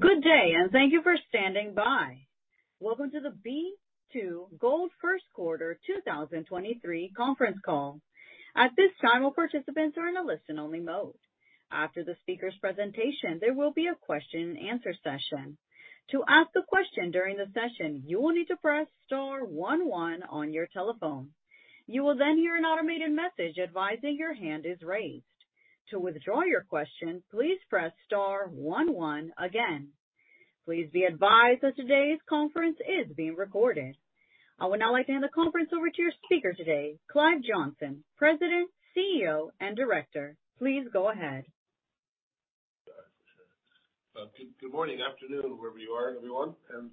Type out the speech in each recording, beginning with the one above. Good day, and thank you for standing by. Welcome to the B2Gold First Quarter 2023 Conference Call. At this time, all participants are in a listen-only mode. After the speaker's presentation, there will be a question and answer session. To ask a question during the session, you will need to press star one one on your telephone. You will then hear an automated message advising your hand is raised. To withdraw your question, please press star one one again. Please be advised that today's conference is being recorded. I would now like to hand the conference over to your speaker today, Clive Johnson, President, CEO, and Director. Please go ahead. Good, good morning, afternoon, wherever you are, everyone, and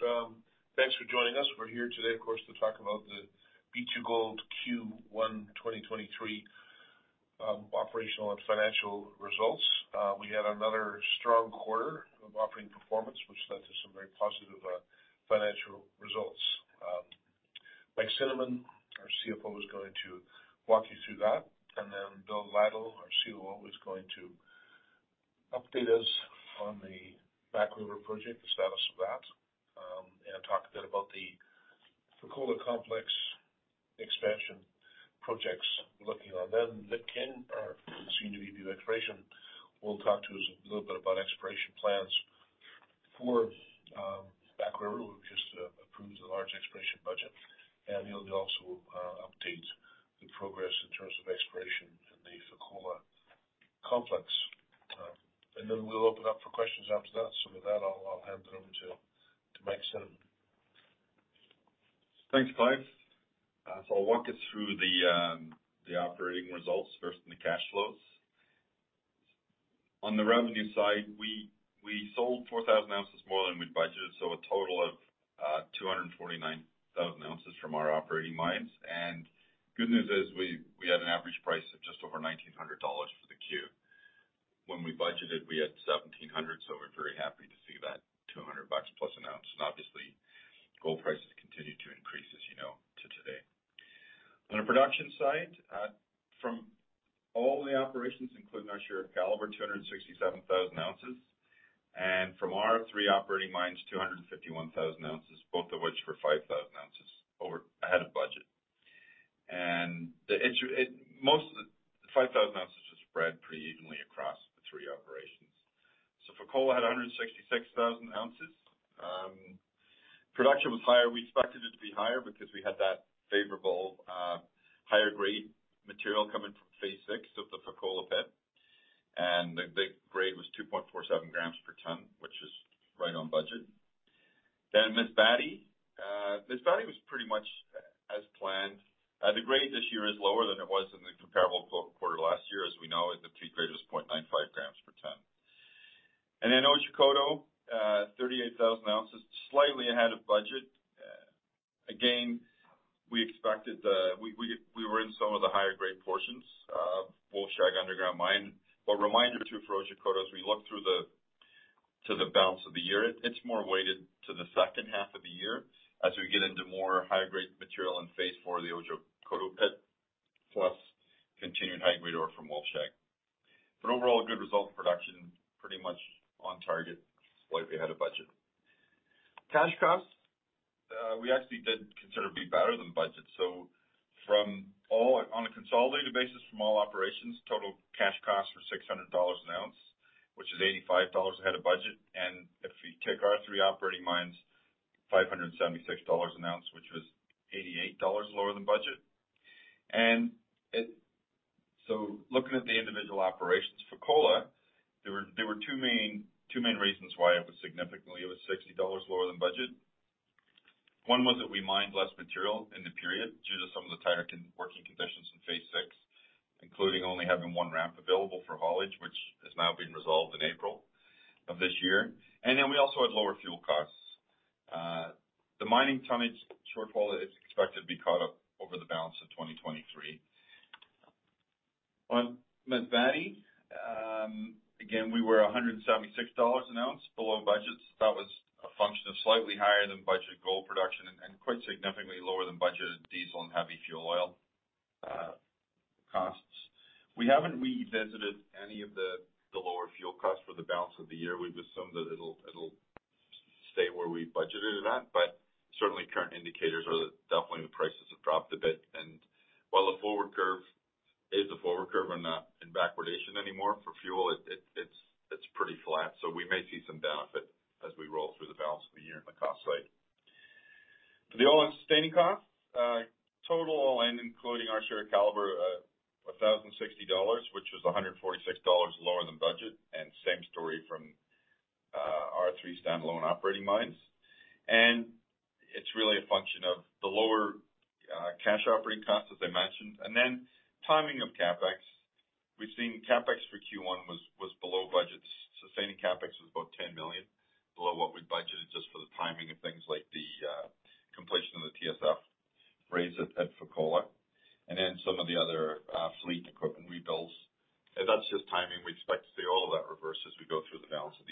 thanks for joining us. We're here today, of course, to talk about the B2Gold Q1 2023 operational and financial results. We had another strong quarter of operating performance which led to some very positive financial results. Mike Cinnamond, our CFO, is going to walk you through that. Bill Lytle, our COO, is going to update us on the Back River project, the status of that, and talk a bit about the Fekola complex expansion projects we're looking on. Victor King, our Senior VP of Exploration, will talk to us a little bit about exploration plans for Back River. We've just approved a large exploration budget, and he'll also update the progress in terms of exploration in the Fekola complex. Then we'll open up for questions after that. With that, I'll hand it over to Mike Cinnamond. Thanks, Clive. So I'll walk you through the operating results first, then the cash flows. On the revenue side, we sold 4,000 ounces more than we budgeted, so a total of 249,000 ounces from our operating mines. Good news is we had an average price of just over $1,900 for the Q. When we budgeted, we had $1,700, so we're very happy to see that $200 plus an ounce. Obviously gold prices continue to increase, as you know, to today. On a production side, from all the operations, including our share of Calibre, 267,000 ounces. From our three operating mines, 251,000 ounces, both of which were 5,000 ounces ahead of budget. Most of the 5,000 ounces was spread pretty evenly across the three operations. Fekola had 166,000 ounces. Production was higher. We expected it to be higher because we had that favorable higher grade material coming from phase 6 of the Fekola pit, and the grade was 2.47 grams per tonne, which is right on budget. Masbate. Masbate was pretty much as planned. The grade this year is lower than it was in the comparable quarter last year. As we know, the peak grade was 0.95 grams per tonne. Otjikoto, 38,000 ounces, slightly ahead of budget. Again, We were in some of the higher grade portions of Wolfshag Underground Mine. A reminder too, for Otjikoto, as we look to the balance of the year, it's more weighted to the second half of the year as we get into more higher grade material in phase 4 of the Otjikoto pit, plus continuing high grade ore from Wolfshag. Overall, a good result in production, pretty much on target, slightly ahead of budget. Cash costs, we actually did considerably better than budget. On a consolidated basis from all operations, total cash costs were $600 an ounce, which is $85 ahead of budget. If we take our three operating mines, $576 an ounce, which was $88 lower than budget. Looking at the individual operations, Fekola, there were two main reasons why it was significantly, it was $60 lower than budget. One was that we mined less material in the period due to some of the tighter working conditions in phase 6, including only having one ramp available for haulage, which has now been resolved in April of this year. We also had lower fuel costs. The mining tonnage shortfall is expected to be caught up over the balance of 2023. On Masbate, again, we were $176 an ounce below budget. That was a function of slightly higher than budget gold production and quite significantly lower than budgeted diesel and heavy fuel oil costs. We haven't revisited any of the lower fuel costs for the balance of the year. We've assumed that it'll stay where we budgeted it at. Certainly current indicators are that definitely the prices have dropped a bit. While the forward curve is a forward curve and not in backwardation anymore, for fuel, it's pretty flat. We may see some benefit as we roll through the balance of the year on the cost side. The all-in sustaining costs, total all in, including our share of Calibre, $1,060, which is $146 lower than budget. Same story from our three standalone operating mines. It's really a function of the lower cash operating costs, as I mentioned, and then timing of CapEx. We've seen CapEx for Q1 was below budget. Sustaining CapEx was about $10 million below what we budgeted, just for the timing of things like the completion of the TSF raise at Fekola, then some of the other fleet equipment rebuilds. That's just timing. We expect to see all of that reverse as we go through the balance of.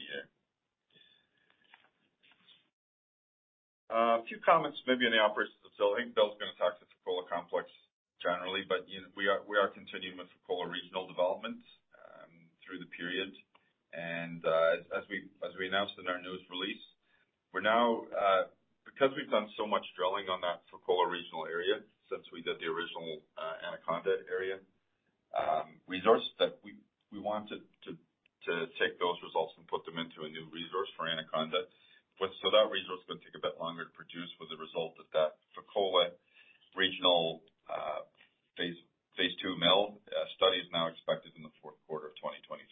A few comments maybe on the operations of the facility. I think Bill's gonna talk to the Fekola complex generally, but, you know, we are continuing with Fekola regional development through the period. As we announced in our news release, we're now. Because we've done so much drilling on that Fekola regional area since we did the original Anaconda Area Resource that we wanted to take those results and put them into a new resource for Anaconda. That resource is gonna take a bit longer to produce with the result of that Fekola Regional phase 2 mill study is now expected in the fourth quarter of 2023.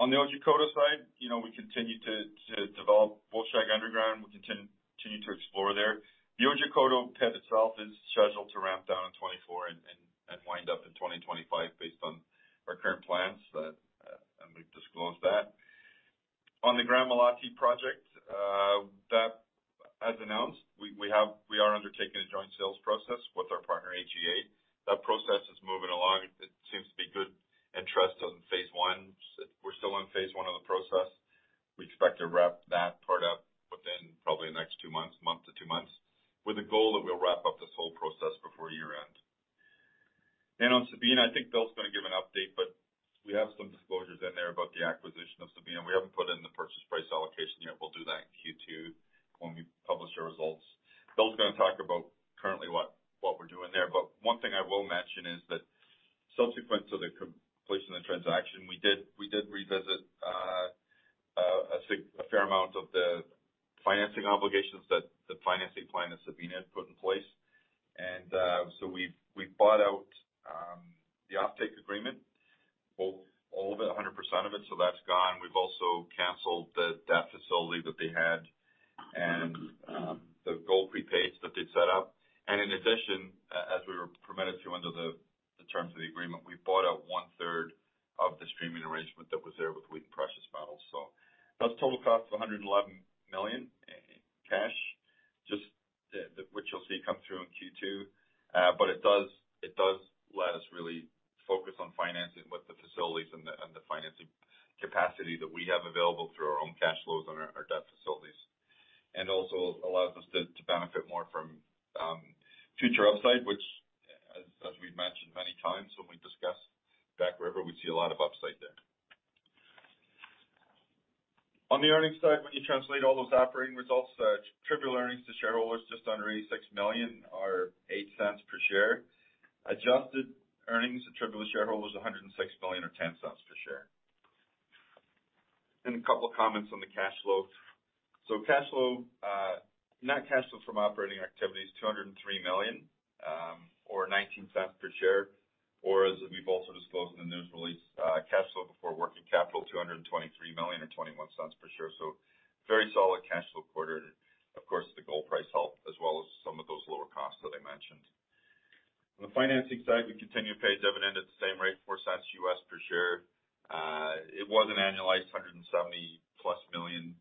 On the Otjikoto side, you know, we continue to develop Bulldog Underground. We continue to explore there. The Otjikoto pit itself is scheduled to ramp down in 2024 and wind up in 2025 based on our current plans that and we've disclosed that. On the Gramalote project, that as announced, we are undertaking a joint sales process with our partner AGA. That process is moving along. It seems to be good interest on phase 1. We're still in phase 1 of the process. We expect to wrap that part up within probably the next two months, one-two months, with a goal that we'll wrap up this whole process before year end. On Sabina, I think Bill's gonna give an update, but we have some disclosures in there about the acquisition of Sabina. We haven't put in the purchase price allocation yet. We'll do that in Q2 when we publish our results. Bill's gonna talk about currently what we're doing there. One thing I will mention is or as we've also disclosed in the news release, cash flow before working capital, $223 million or $0.21 per share. Very solid cash flow quarter. Of course, the gold price helped as well as some of those lower costs that I mentioned. On the financing side, we continue to pay a dividend at the same rate, $0.04 U.S. per share. It was an annualized $170+ million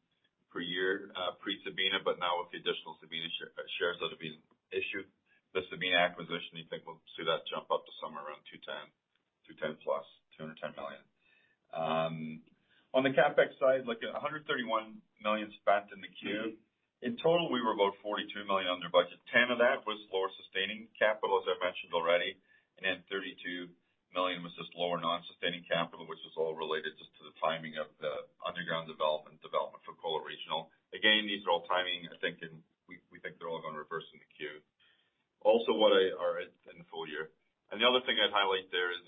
per year, pre-Sabina, but now with the additional Sabina shares that have been issued, the Sabina acquisition, I think we'll see that jump up to somewhere around $210, $210+, $210 million. On the CapEx side, looking at $131 million spent in the Q. In total, we were about $42 million under budget. 10 of that was lower sustaining capital, as I mentioned already. Then $32 million was just lower non-sustaining capital, which was all related just to the timing of the underground development for Fekola Regional. Again, these are all timing, I think, and we think they're all going to reverse in the Q. Also in the full year. The other thing I'd highlight there is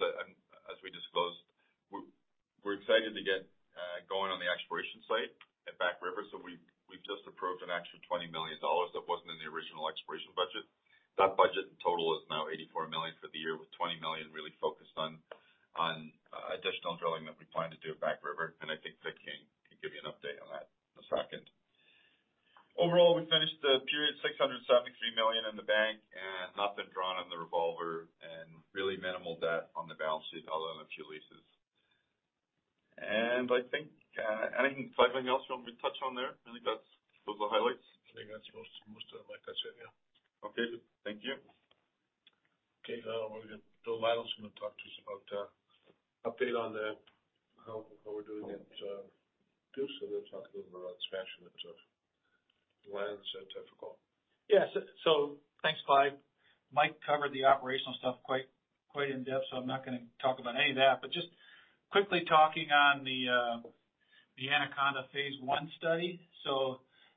Anaconda phase 1 study.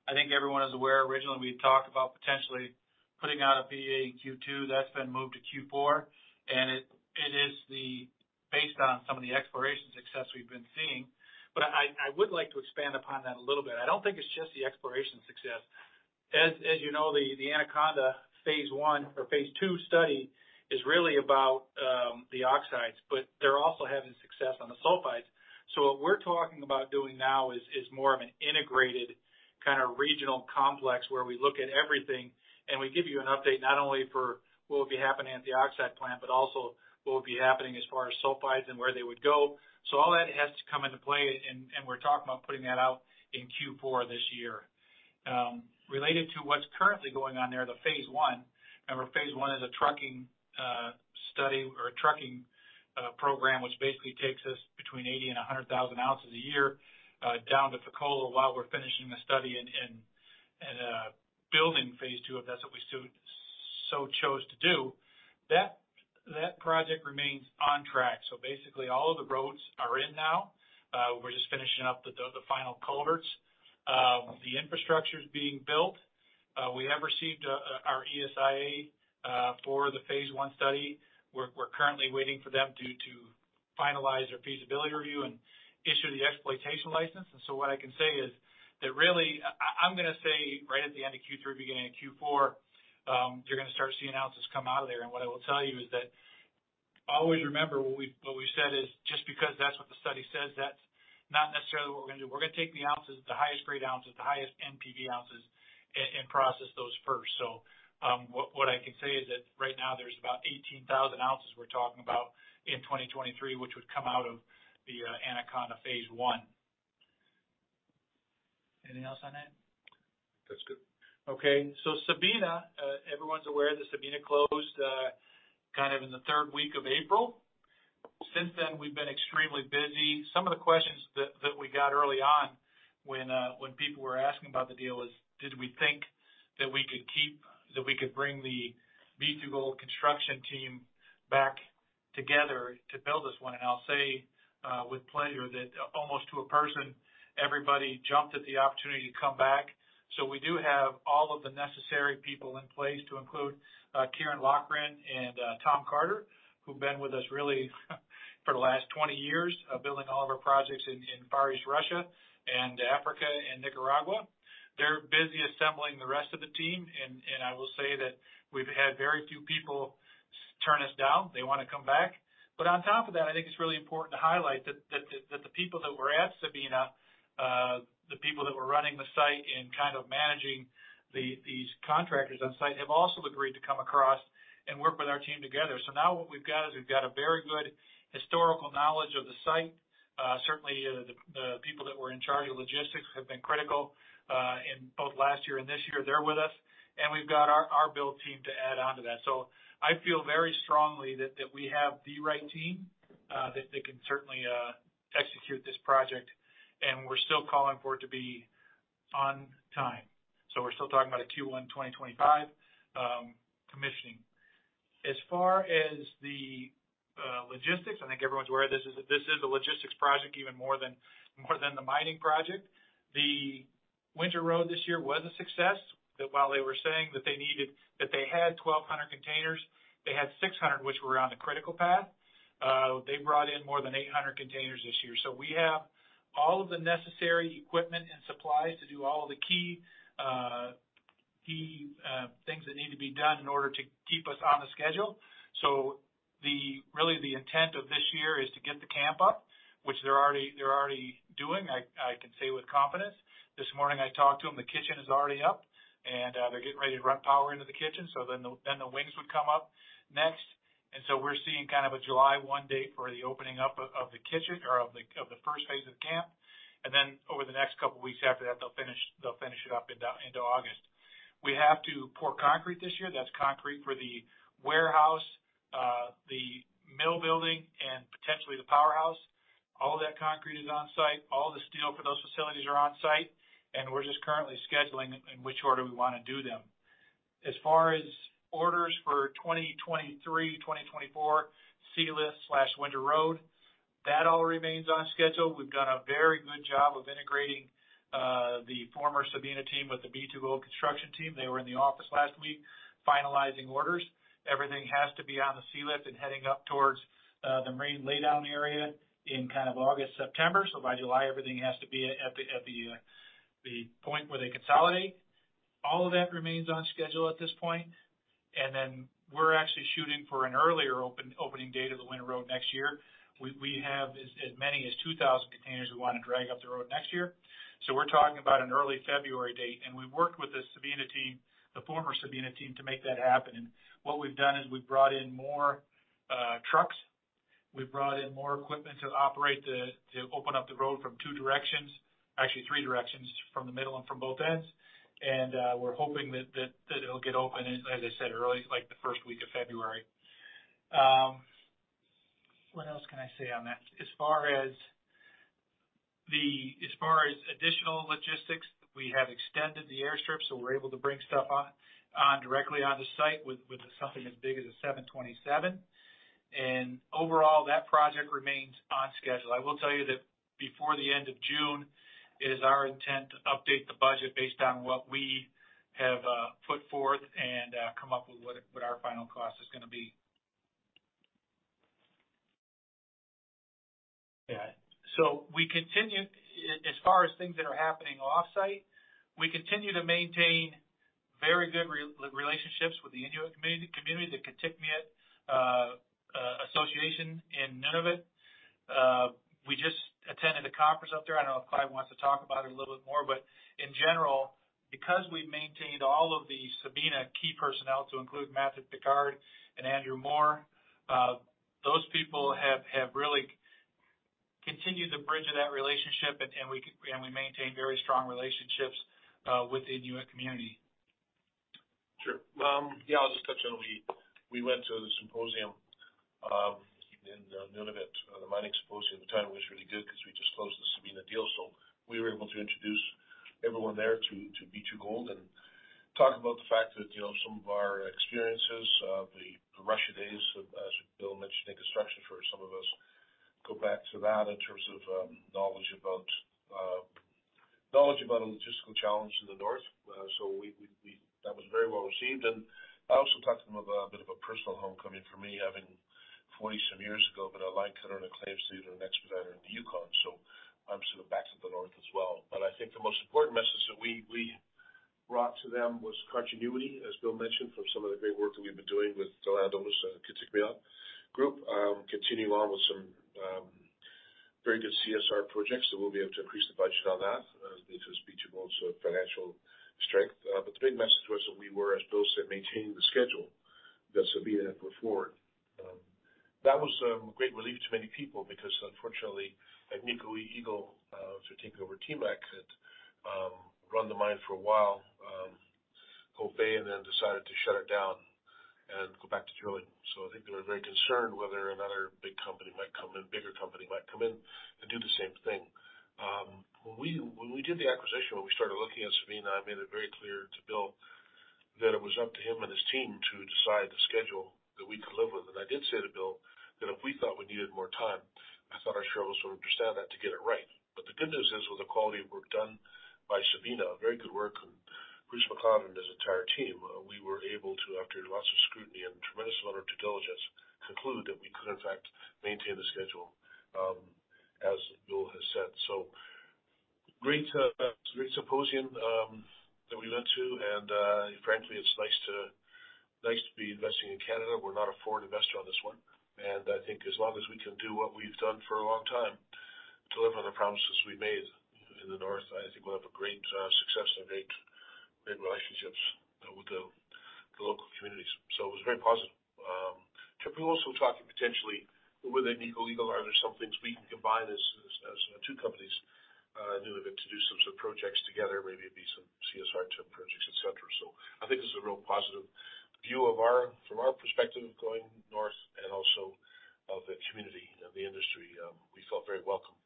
I think everyone is aware originally we had talked about potentially putting out a PEA in Q2. That's been moved to Q4. It is based on some of the exploration success we've been seeing. I would like to expand upon that a little bit. I don't think it's just the exploration success. As you know, the Anaconda phase 1 or phase 2 study is really about the oxides. They're also having success on the sulfides. What we're talking about doing now is more of an integrated kind of regional complex where we look at everything and we give you an update not only for what will be happening at the oxide plant, but also what will be happening as far as sulfides and where they would go. All that has to come into play and we're talking about putting that out in Q4 this year. Related to what's currently going on there, the phase 1, remember phase 1 is a trucking study or trucking program, which basically takes us between 80,000 and 100,000 ounces a year down to Fekola while we're finishing the study and building phase 2, if that's what we still so chose to do. That project remains on track. Basically all of the roads are in now. We're just finishing up the final culverts. The infrastructure's being built. We have received our ESIA for the phase 1 study. We're currently waiting for them to finalize their feasibility review and issue the Exploitation License. What I can say is that really, I'm gonna say right at the end of Q3, beginning of Q4, you're gonna start seeing ounces come out of there. What I will tell you is that always remember what we said is just because that's what the study says, that's not necessarily what we're gonna do. We're gonna take the ounces, the highest grade ounces, the highest NPV ounces and process those first. What I can say is that right now there's about 18,000 ounces we're talking about in 2023, which would come out of the Anaconda phase 1. Anything else on that? That's good. Okay. Sabina, everyone's aware that Sabina closed kind of in the third week of April. Since then, we've been extremely busy. Some of the questions that we got early on when people were asking about the deal was, did we think that we could bring the B2Gold construction team back together to build this one? I'll say with pleasure that almost to a person, everybody jumped at the opportunity to come back. We do have all of the necessary people in place to include Kieran Loughran and Tom Carter, who've been with us really for the last 20 years, building all of our projects in Far East Russia and Africa and Nicaragua. They're busy assembling the rest of the team. I will say that we've had very few people turn us down. They wanna come back. On top of that, I think it's really important to highlight that the people that were at Sabina, the people that were running the site and kind of managing these contractors on site, have also agreed to come across and work with our team together. Now what we've got is we've got a very good historical knowledge of the site. Certainly the people that were in charge of logistics have been critical in both last year and this year, they're with us. We've got our build team to add on to that. I feel very strongly that we have the right team that they can certainly execute this project. We're still calling for it to be on time. We're still talking about a Q1 2025 commissioning. As far as the logistics, I think everyone's aware this is a logistics project even more than, more than the mining project. The winter road this year was a success. That while they were saying that they had 1,200 containers, they had 600 which were on the critical path. They brought in more than 800 containers this year. We have all of the necessary equipment and supplies to do all the key things that need to be done in order to keep us on the schedule. The, really the intent of this year is to get the camp up, which they're already doing, I can say with confidence. This morning I talked to them, the kitchen is already up, and they're getting ready to run power into the kitchen. The wings would come up next. We're seeing kind of a July 1 date for the opening up of the kitchen or of the first phase of the camp. Over the next couple weeks after that, they'll finish it up into August. We have to pour concrete this year. That's concrete for the warehouse, the mill building, and potentially the powerhouse. All that concrete is on site. All the steel for those facilities are on site, and we're just currently scheduling in which order we wanna do them. As far as orders for 2023, 2024, sealift/winter road, that all remains on schedule. We've done a very good job of integrating the former Sabina team with the B2Gold construction team. They were in the office last week finalizing orders. Everything has to be on the sealift and heading up towards the main laydown area in kind of August, September. By July, everything has to be at the point where they consolidate. All of that remains on schedule at this point. We're actually shooting for an earlier opening date of the winter road next year. We have as many as 2,000 containers we wanna drag up the road next year. We're talking about an early February date, and we've worked with the Sabina team, the former Sabina team, to make that happen. What we've done is we've brought in more trucks. We've brought in more equipment to operate, to open up the road from two directions. Actually three directions, from the middle and from both ends. We're hoping that it'll get open as I said earlier, like the first week of February. What else can I say on that? As far as additional logistics, we have extended the airstrip, so we're able to bring stuff directly onto site with something as big as a 727. Overall, that project remains on schedule. I will tell you that before the end of June, it is our intent to update the budget based on what we have put forth and come up with what our final cost is gonna be. Yeah. We continue, as far as things that are happening off-site, we continue to maintain very good relationships with the Inuit community, the Kitikmeot Inuit Association in Nunavut. We just attended a conference up there. I don't know if Clive wants to talk about it a little bit more. In general, because we've maintained all of the Sabina key personnel to include Matthew Pickard and Andrew Moore, those people have really continue the great relationship and I mean, maintain the strong relationships, within Inuit community. I'll just touch on, we went to the symposium in Nunavut, the mining symposium. The timing was really good 'cause we just closed the Sabina deal. We were able to introduce everyone there to B2Gold and talk about the fact that, you know, some of our experiences of the Russia days, as Bill mentioned, in construction for some of us go back to that in terms of knowledge about a logistical challenge in the North. That was very well received. I also talked to them about a bit of a personal homecoming for me, having 40 some years ago got a line cutter and a claim suit and an expediter in the Yukon. I'm sort of back to the North as well. I think the most important message that we brought to them was continuity, as Bill mentioned, from some of the great work that we've been doing with the Land Owners Kitikmeot Group, continue on with some very good CSR projects, so we'll be able to increase the budget on that due to B2Gold's financial strength. The big message was that we were, as Bill said, maintaining the schedule that Sabina had put forward. That was a great relief to many people because unfortunately, Agnico Eagle, which had taken over TMAC Resources, had run the mine for a while, Hope Bay, and then decided to shut it down and go back to drilling. I think they were very concerned whether another bigger company might come in and do the same thing. When we did the acquisition, when we started looking at Sabina, I made it very clear to Bill that it was up to him and his team to decide the schedule that we could live with. I did say to Bill that if we thought we needed more time, I thought our shareholders would understand that to get it right. The good news is, with the quality of work done by Sabina, very good work, and Bruce McLeod and his entire team, we were able to, after lots of scrutiny and tremendous amount of due diligence, conclude that we could in fact maintain the schedule, as Bill has said. Great, great symposium that we went to and, frankly, it's nice to be investing in Canada. We're not a foreign investor on this one. I think as long as we can do what we've done for a long time, deliver on the promises we made in the North, I think we'll have a great success and great relationships with the local communities. It was very positive. We're also talking potentially with Agnico Eagle, are there some things we can combine as two companies in Nunavut to do some projects together, maybe it'd be some CSR type projects, et cetera. I think this is a real positive view of our, from our perspective going north and also of the community and the industry. We felt very welcomed.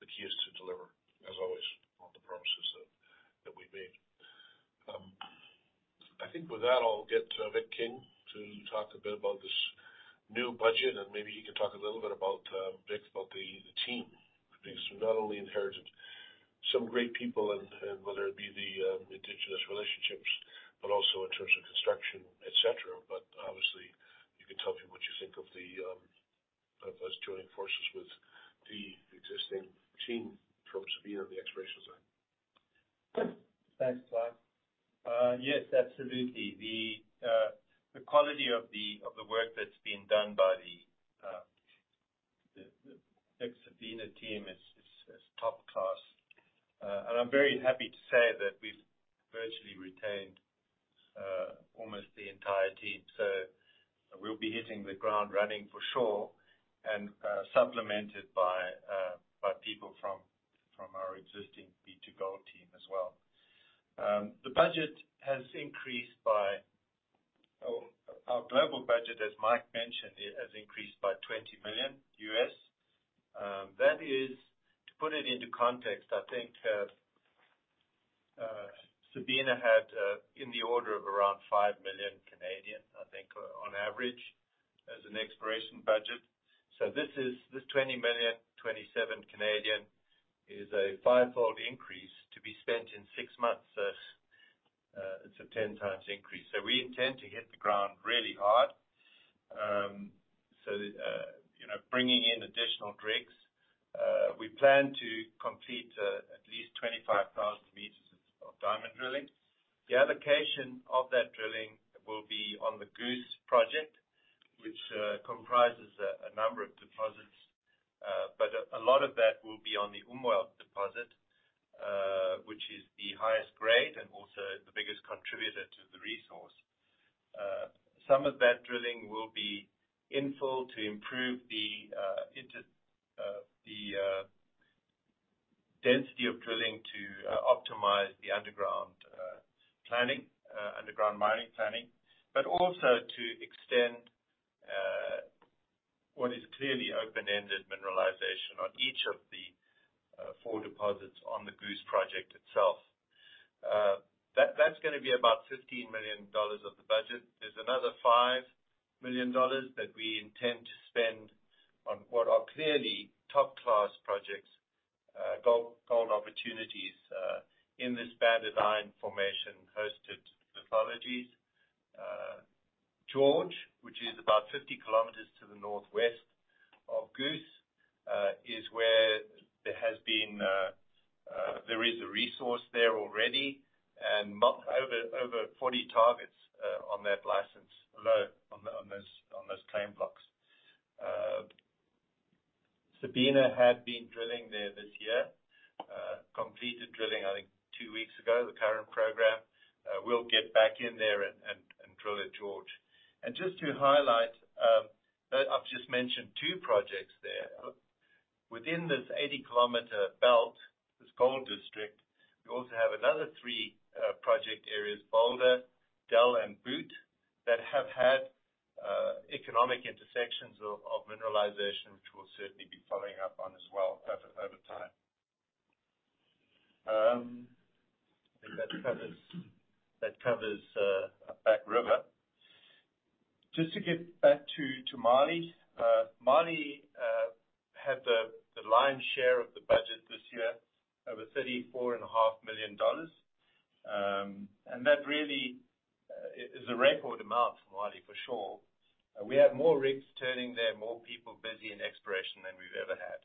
The key is to deliver as always on the promises that we've made. I think with that, I'll get Vic King to talk a bit about this new budget. Maybe he can talk a little bit about Vic, about the team, because we not only inherited some great people and whether it be the indigenous relationships, but also in terms of construction, et cetera. Obviously, you can tell people what you think of the of us joining forces with the existing team from Sabina on the exploration side. Thanks, Clive. Yes, absolutely. The quality of the work that's being done by the ex Sabina team is top class. I'm very happy to say that we've virtually retained almost the entire team. We'll be hitting the ground running for sure and supplemented by people from our existing B2Gold team as well. Our global budget, as Mike mentioned, it has increased by $20 million U.S. That is, to put it into context, I think, Sabina had in the order of around 5 million, I think, on average as an exploration budget. This is, this 20 million 27 is a fivefold increase to be spent in six months. It's a 10 times increase. We intend to hit the ground really hard. you know, bringing in additional rigs. We plan to complete at least 25,000 meters of diamond drilling. The allocation of that drilling will be on the Goose project, which comprises a number of deposits. A lot of that will be on the Umwelt deposit, which is the highest grade and also the biggest contributor to the resource. Some of that drilling will be infill to improve the density of drilling to optimize the underground planning, underground mining planning, but also to extend what is clearly open-ended mineralization on each of the four deposits on the Goose project itself. That's gonna be about $15 million of the budget. There's another $5 million that we intend to spend on what are clearly top-class projects, gold opportunities in this banded iron formation hosted lithologies. George, which is about 50 kilometers to the northwest of Goose, is where there is a resource there already and over 40 targets on that license alone on those claim blocks. Sabina had been drilling there this year, completed drilling, I think, two weeks ago, the current program. We'll get back in there and drill at George. Just to highlight, I've just mentioned two projects there. Within this 80-kilometer belt, this gold district, we also have another three project areas, Boulder, Del, and Boot, that have had economic intersections of mineralization, which we'll certainly be following up on as well over time. I think that covers Back River. Just to get back to Mali. Mali had the lion's share of the budget this year, over $34.5 million. That really is a record amount for Mali, for sure. We have more rigs turning there, more people busy in exploration than we've ever had.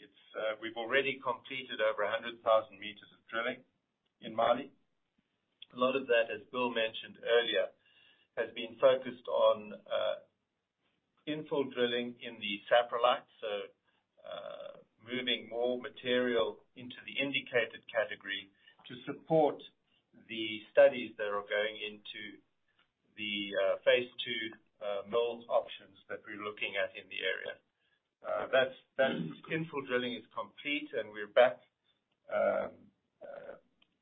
It's we've already completed over 100,000 meters of drilling in Mali. A lot of that, as Bill mentioned earlier, has been focused on infill drilling in the saprolite, so moving more material into the indicated category to support the studies that are going into the phase 2 mill options that we're looking at in the area. That infill drilling is complete, and we're back,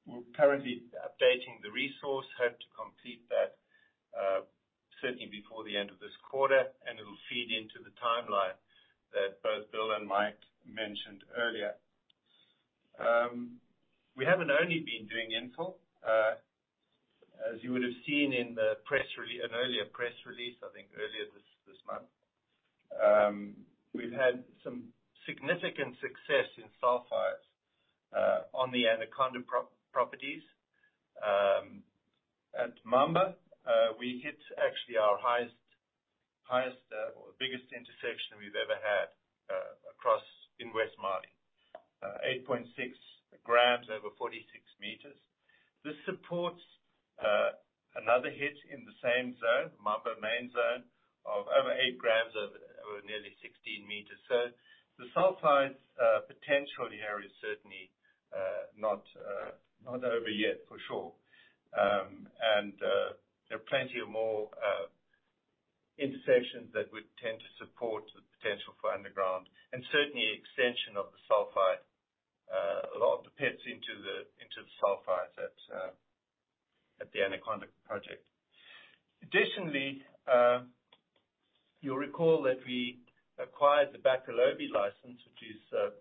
we're currently updating the resource. Hope to complete that certainly before the end of this quarter, and it'll feed into the timeline that both Bill and Mike mentioned earlier. We haven't only been doing infill. As you would have seen in an earlier press release, I think earlier this month, we've had some significant success in sulfides on the Anaconda properties. At Mamba, we hit actually our highest or the biggest intersection we've ever had across in West Mali. 8.6 grams over 46 meters. This supports another hit in the same zone, Mamba main zone, of over 8 grams over nearly 16 meters. The sulfides potential here is certainly not over yet, for sure. There are plenty of more intersections that would tend to support the potential for underground and certainly extension of the sulfide. A lot of the pits into the sulfides at the Anaconda project. Additionally, you'll recall that we acquired the Bakolobi license, which is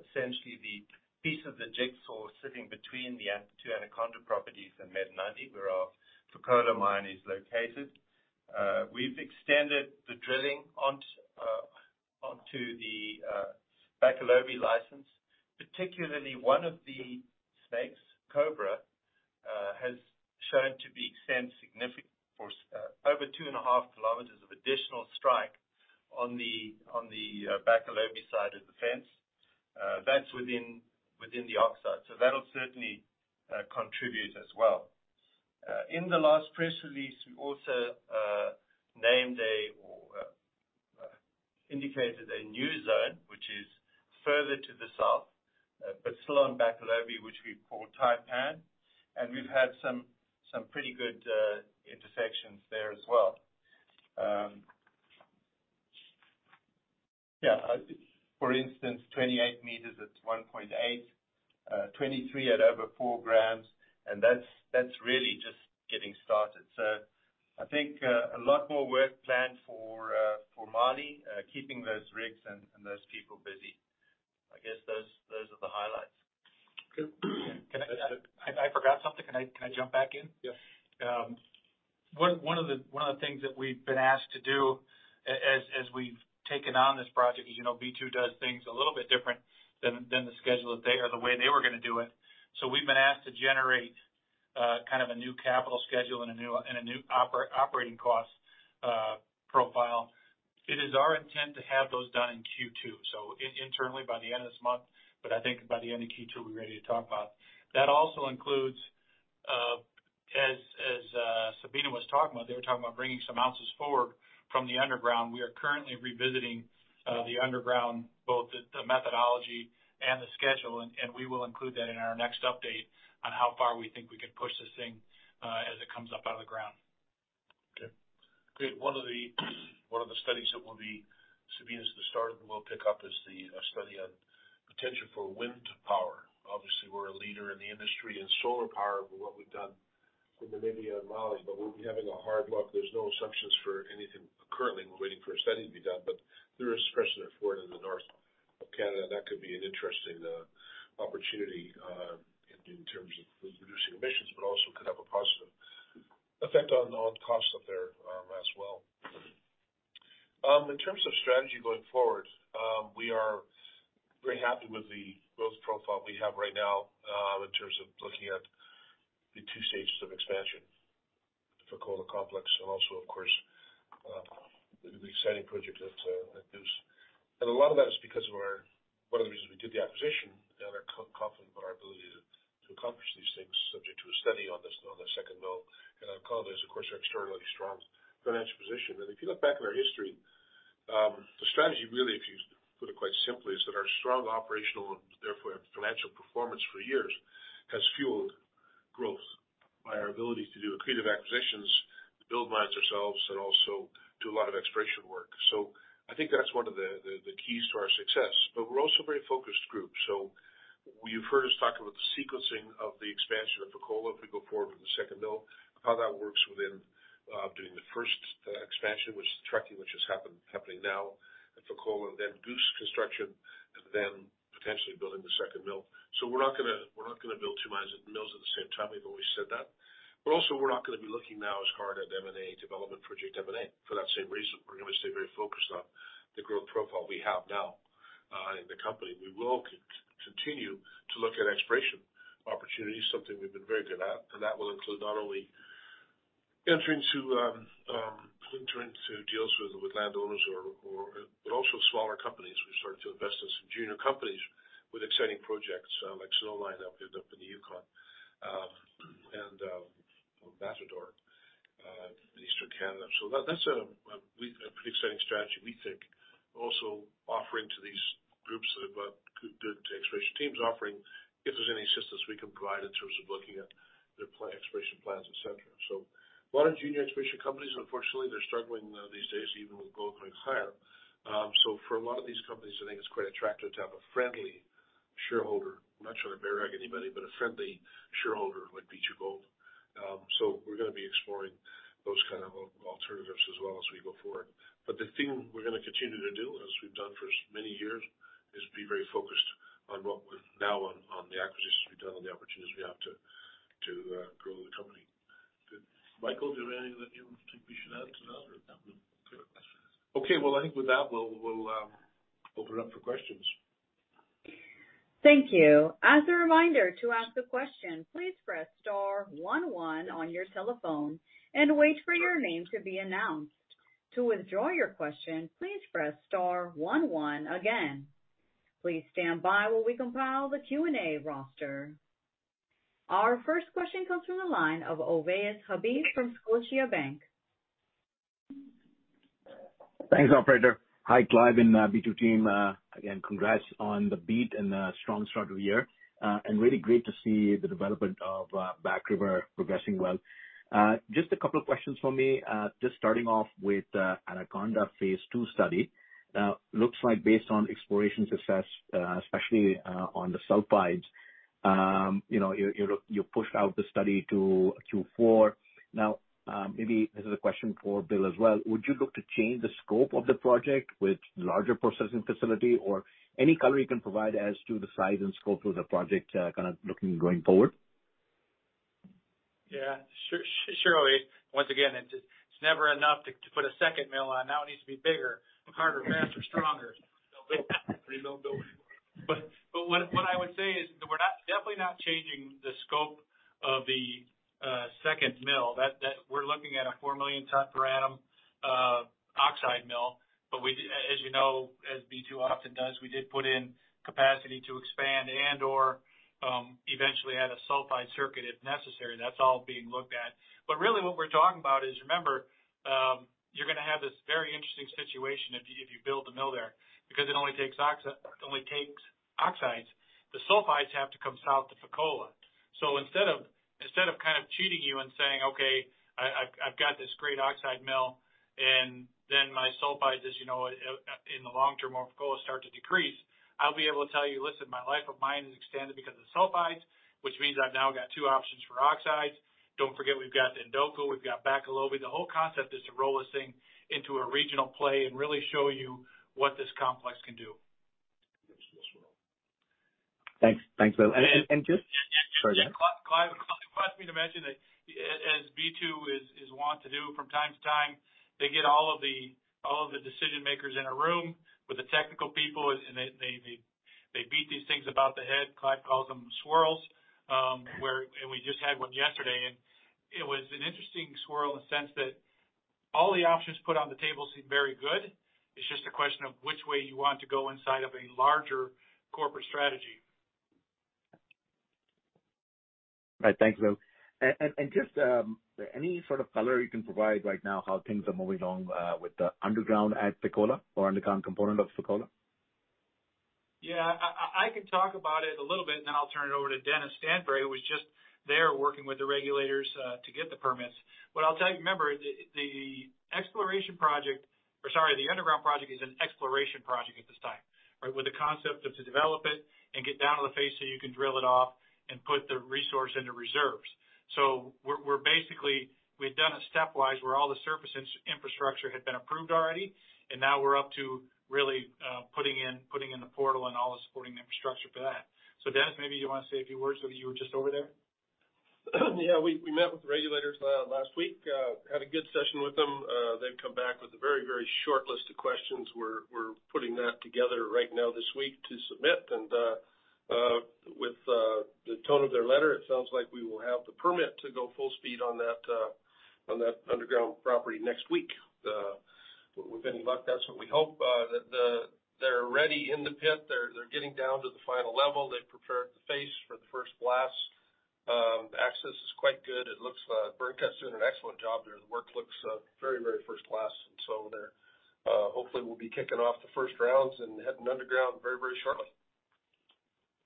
essentially the piece of the jigsaw sitting between the two Anaconda properties and Menankoto, where our Fekola mine is located. We've extended the drilling onto onto the Bakolobi license, particularly one of the snakes, Cobra, has shown to extend significant for over 2.5 kilometers of additional strike on the Bakolobi side of the fence. That's within the oxide. That'll certainly contribute as well. In the last press release, we also named a or indicated a new zone which is further to the south, but still on Bakolobi, which we call Taipan, and we've had some pretty good intersections there as well. Yeah, for instance, 28 meters at 1.8, 23 at over 4 grams, and that's really just getting started. I think a lot more work planned for Mali keeping those rigs and those people busy. I guess those are the highlights. Good. Can I? That's it. I forgot something. Can I jump back in? Yeah. One of the things that we've been asked to do as we've taken on this project is, you know, B2 does things a little bit different than the way they were gonna do it. We've been asked to generate kind of a new capital schedule and a new operating cost profile. It is our intent to have those done in Q2, so internally by the end of this month, but I think by the end of Q2, we're ready to talk about it. That also includes, as Sabina was talking about, they were talking about bringing some ounces forward from the underground. We are currently revisiting the underground, both the methodology and the schedule, and we will include that in our next update on how far we think we can push this thing as it comes up out of the ground. Okay. Great. One of the studies that we'll be Sabina's starter, we'll pick up is the study on potential for wind power. Obviously, we're a leader in the industry in solar power for what we've done in Namibia and Mali, but we'll be having a hard look. There's no assumptions for anything currently. We're waiting for a study to be done, but there is precedent for it in the North of Canada. That could be an interesting opportunity in terms of reducing emissions, but also could have a positive effect on costs up there as well. In terms of strategy going forward, we are very happy with the growth profile we have right now, in terms of looking at the two stages of expansion for Fekola complex and also of course, the exciting project at Goose. A lot of that is because one of the reasons we did the acquisition and are confident about our ability to accomplish these things subject to a study on the second mill at Anaconda is, of course, our extraordinarily strong financial position. If you look back at our history. The strategy really, if you put it quite simply, is that our strong operational and therefore financial performance for years has fueled growth by our ability to do accretive acquisitions, build mines ourselves, and also do a lot of exploration work. I think that's one of the keys to our success. We're also a very focused group. You've heard us talk about the sequencing of the expansion of Fekola if we go forward with the second mill, how that works within doing the first expansion, which is trucking, which is happening now at Fekola, and then Goose construction, and then potentially building the second mill. We're not gonna build two mills at the same time. We've always said that. Also, we're not gonna be looking now as hard at M&A development project M&A for that same reason. We're gonna stay very focused on the growth profile we have now in the company. We will continue to look at exploration opportunities, something we've been very good at. That will include not only entering to deals with landowners or but also smaller companies. We've started to invest in some junior companies with exciting projects, like Snowline up in the Yukon, and Matador in Eastern Canada. That's a pretty exciting strategy, we think. Also offering to these groups that have good exploration teams, offering if there's any assistance we can provide in terms of looking at their plan, exploration plans, et cetera. A lot of junior exploration companies, unfortunately, they're struggling these days even with gold going higher. For a lot of these companies, I think it's quite attractive to have a friendly shareholder. I'm not sure I bear any money, but a friendly shareholder like B2Gold. We're gonna be exploring those kind of alternatives as well as we go forward. The thing we're gonna continue to do, as we've done for many years, is be very focused on what we've on the acquisitions we've done and the opportunities we have to grow the company. Good. Michael, is there anything that you think we should add to that or if that will clear questions? Okay. I think with that, we'll open it up for questions. Thank you. As a reminder, to ask a question, please press star one one on your telephone and wait for your name to be announced. To withdraw your question, please press star one one again. Please stand by while we compile the Q&A roster. Our first question comes from the line of Ovais Habib from Scotiabank. Thanks, operator. Hi, Clive and B2 team. Again, congrats on the beat and the strong start of the year. Really great to see the development of Back River progressing well. Just a couple of questions from me. Just starting off with Anaconda phase 2 study. Looks like based on exploration success, especially on the sulfides, you know, you pushed out the study to Q4. Now, maybe this is a question for Bill as well. Would you look to change the scope of the project with larger processing facility or any color you can provide as to the size and scope of the project, kinda looking going forward? Yeah. Surely. Once again, it's just, it's never enough to put a second mill on. Now, it needs to be bigger, harder, faster, stronger. Build bigger. We build bigger. What I would say is that we're not, definitely not changing the scope of the second mill. We're looking at a 4 million tonne per annum oxide mill. We did, as you know, as B2 often does, we did put in capacity to expand and/or eventually add a sulfide circuit if necessary. That's all being looked at. Really what we're talking about is, remember, you're gonna have this very interesting situation if you build the mill there, because it only takes oxides. The sulfides have to come south to Fekola. Instead of kind of cheating you and saying, "Okay, I've got this great oxide mill, and then my sulfides, as you know, in the long term of Fekola start to decrease," I'll be able to tell you, "Listen, my life of mine is extended because of sulfides, which means I've now got two options for oxides." Don't forget we've got Ndougou, we've got Bakolobi. The whole concept is to roll this thing into a regional play and really show you what this complex can do. Yes. Yes, we will. Thanks, Bill. And, and, and. Sorry, go ahead. Clive, it occurs me to mention that as B2 is want to do from time to time, they get all of the decision makers in a room with the technical people and they beat these things about the head. Clive calls them swirls. We just had one yesterday, and it was an interesting swirl in the sense that all the options put on the table seem very good. It's just a question of which way you want to go inside of a larger corporate strategy. Right. Thanks, Bill. Just any sort of color you can provide right now how things are moving along with the underground at Fekola or underground component of Fekola? Yeah. I can talk about it a little bit, and then I'll turn it over to Dennis Stansbury, who was just there working with the regulators to get the permits. What I'll tell you, remember, the exploration project, or sorry, the underground project, is an exploration project at this time, right? With the concept of to develop it and get down to the phase so you can drill it off and put the resource into reserves. We're basically, we've done it stepwise, where all the surface infrastructure had been approved already, and now we're up to really putting in the portal and all the supporting infrastructure for that. Dennis, maybe you wanna say a few words, whether you were just over there. Yeah. We met with the regulators last week. Had a good session with them. They've come back with a very, very short list of questions. We're putting that together right now this week to submit. With the tone of their letter, it sounds like we will have the permit to go full speed on that underground property next week. With any luck, that's what we hope. They're ready in the pit. They're getting down to the final level. They've prepared the face for the first blast. It's quite good. It looks, Byrnecut doing an excellent job there. The work looks, very, very first class. They're, hopefully we'll be kicking off the first rounds and heading underground very, very shortly.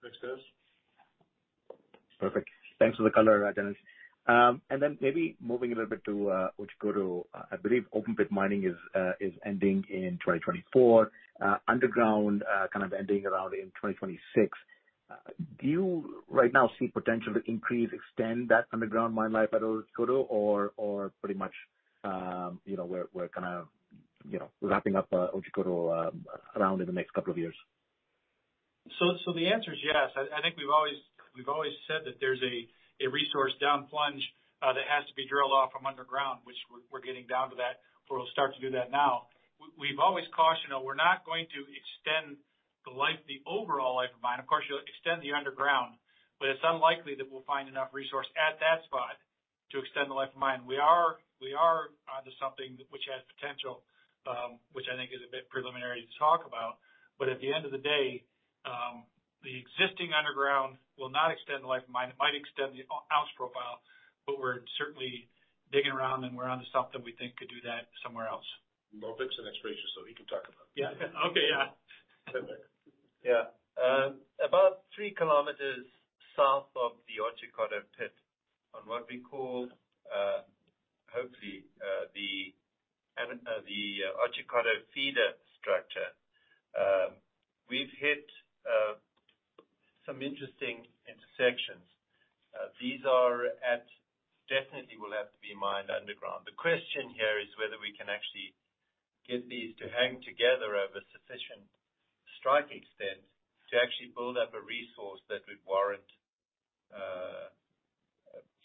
Thanks, guys. Perfect. Thanks for the color, Dennis. Maybe moving a little bit to Otjikoto, I believe open pit mining is ending in 2024, underground kind of ending around in 2026. Do you right now see potential to increase, extend that underground mine life at all, Otjikoto, or pretty much, you know, we're kinda, you know, wrapping up what you call around in the next couple of years? The answer is yes. I think we've always said that there's a resource down plunge that has to be drilled off from underground, which we're getting down to that, where we'll start to do that now. We've always cautioned, you know, we're not going to extend the life, the overall life of mine. Of course, you'll extend the underground, but it's unlikely that we'll find enough resource at that spot to extend the life of mine. We are onto something which has potential, which I think is a bit preliminary to talk about. At the end of the day, the existing underground will not extend the life of mine. It might extend the ounce profile, but we're certainly digging around and we're onto something we think could do that somewhere else. Vic's in exploration, so he can talk about that. Yeah. Okay. Yeah. Perfect. About three kilometers south of the Otjikoto pit on what we call, hopefully, the Otjikoto feeder structure, we've hit some interesting intersections. These are at definitely will have to be mined underground. The question here is whether we can actually get these to hang together over sufficient strike extent to actually build up a resource that would warrant,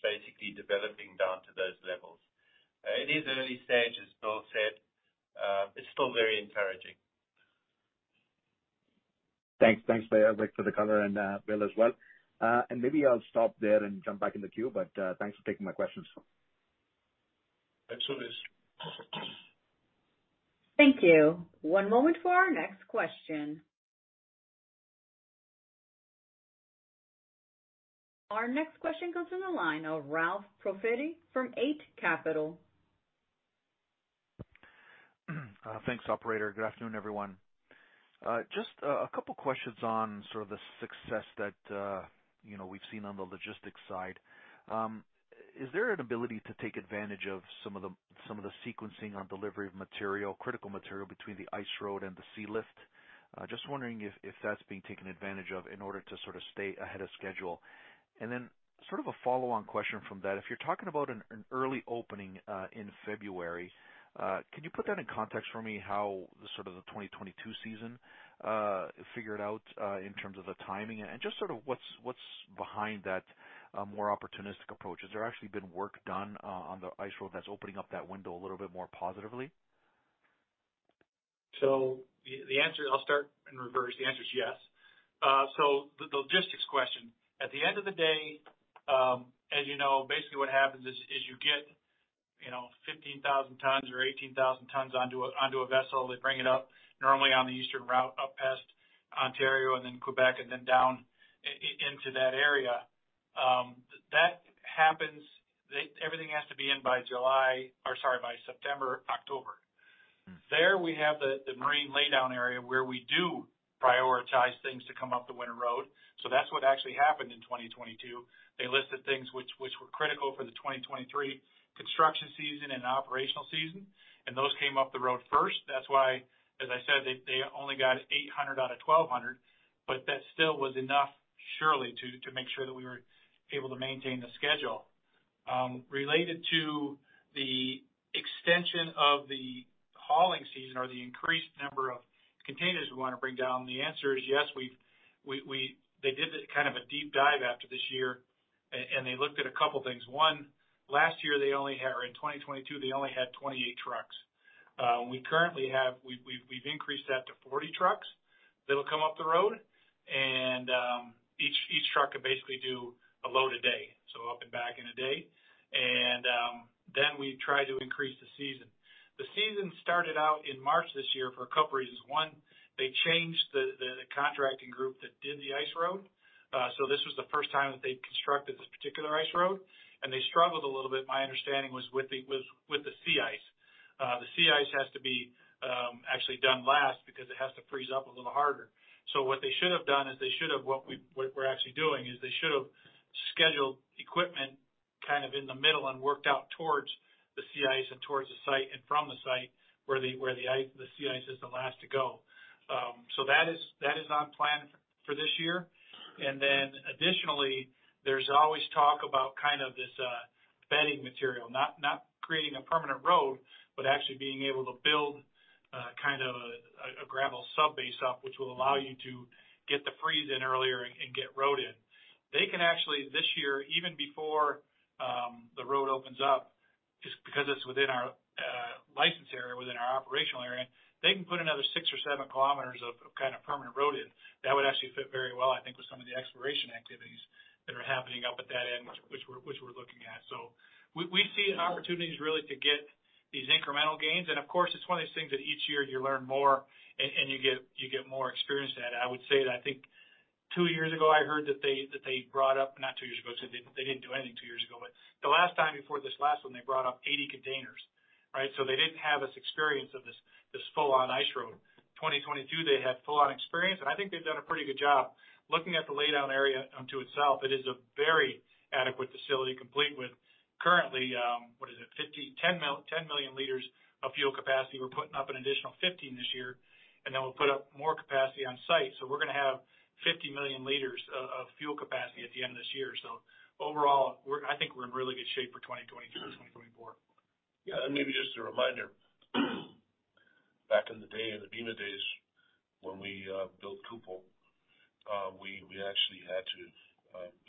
basically developing down to those levels. It is early stage, as Bill said. It's still very encouraging. Thanks. Thanks for the color, and, Bill as well. Maybe I'll stop there and jump back in the queue, but, thanks for taking my questions. Thanks so much. Thank you. One moment for our next question. Our next question comes from the line of Ralph Profiti from Eight Capital. Thanks, operator. Good afternoon, everyone. Just a couple questions on sort of the success that, you know, we've seen on the logistics side. Is there an ability to take advantage of some of the sequencing on delivery of material, critical material between the ice road and the sealift? Just wondering if that's being taken advantage of in order to sort of stay ahead of schedule. Then sort of a follow-on question from that. If you're talking about an early opening in February, can you put that in context for me how the sort of the 2022 season figured out in terms of the timing? Just sort of what's behind that more opportunistic approach? Has there actually been work done on the ice road that's opening up that window a little bit more positively? The answer I'll start in reverse. The answer is yes. The logistics question. At the end of the day, as you know, basically what happens is you get, you know, 15,000 tonnes or 18,000 tonnes onto a vessel. They bring it up, normally on the eastern route up past Ontario and then Quebec, and then down into that area. That happens. Everything has to be in by July or, sorry, by September, October. There we have the marine laydown area where we do prioritize things to come up the winter road. That's what actually happened in 2022. They listed things which were critical for the 2023 construction season and operational season, and those came up the road first. That's why, as I said, they only got 800 out of 1,200, but that still was enough surely to make sure that we were able to maintain the schedule. Related to the extension of the hauling season or the increased number of containers we wanna bring down, the answer is yes. We've They did the kind of a deep dive after this year and they looked at a couple things. One, last year they only had, or in 2022, they only had 28 trucks. We currently have, we've increased that to 40 trucks that'll come up the road. Each truck could basically do a load a day, so up and back in a day. Then we try to increase the season. The season started out in March this year for a couple reasons. One, they changed the contracting group that did the ice road. So this was the first time that they'd constructed this particular ice road, and they struggled a little bit, my understanding, was with the sea ice. The sea ice has to be actually done last because it has to freeze up a little harder. What they should have done is they should have scheduled equipment kind of in the middle and worked out towards the sea ice and towards the site and from the site where the, where the sea ice is the last to go. That is on plan for this year. Additionally, there's always talk about kind of this bedding material, not creating a permanent road, but actually being able to build kind of a gravel subbase up, which will allow you to get the freeze in earlier and get road in. They can actually, this year, even before the road opens up, just because it's within our license area, within our operational area, they can put another six or seven kilometers of kind of permanent road in. That would actually fit very well, I think, with some of the exploration activities that are happening up at that end, which we're looking at. We see opportunities really to get these incremental gains. Of course, it's one of those things that each year you learn more and you get more experience at it. I would say that I think two years ago, I heard that they brought up, not two years ago, 'cause they didn't do anything two years ago. The last time before this last one, they brought up 80 containers, right? They didn't have this experience of this full-on ice road. 2022, they had full-on experience, and I think they've done a pretty good job. Looking at the laydown area, to itself, it is a very adequate facility, complete with currently, what is it, 10 million liters of fuel capacity. We're putting up an additional 15 this year, and then we'll put up more capacity on site. We're gonna have 50 million liters of fuel capacity at the end of this year. Overall, I think we're in really good shape for 2023 or 2024. Yeah. Maybe just a reminder, back in the day, in the Dene days, when we built Kupol, we actually had to